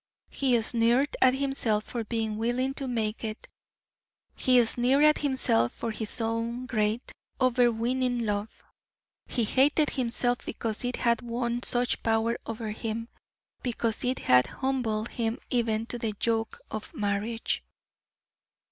He sneered at himself for being willing to make it; he sneered at himself for his own great, overweening love. He hated himself because it had won such power over him because it had humbled him even to the yoke of marriage.